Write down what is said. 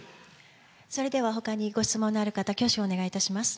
それではほかにご質問のある方、挙手をお願いいたします。